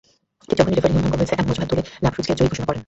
ঠিক তখনই রেফারি নিয়মভঙ্গ হয়েছে—এমন অজুহাত তুলে নাভরুজভকে জয়ী ঘোষণা করেন।